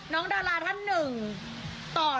น้องดาราดก็นิดนึงนะครับ